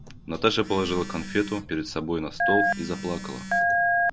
Наташа положила конфету перед собой на стол и заплакала.